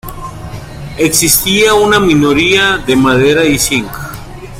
Existía una minoría de madera y zinc.